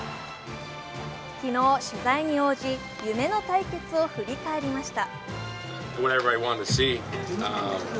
昨日、取材に応じ、夢の対決を振り返りました。